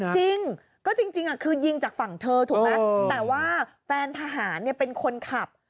หรือจริงก็จริงอ่ะที่มันยิงจากฝั่งเธอถูกไหมแต่ว่าแฟนทหารเนี่ยเป็นคนขับ